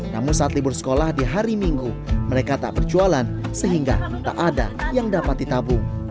namun saat libur sekolah di hari minggu mereka tak berjualan sehingga tak ada yang dapat ditabung